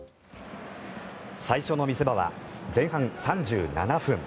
最初の見せ場は、前半３７分。